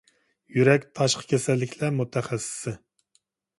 يۈرەك تاشقى كېسەللىكلەر مۇتەخەسسىسى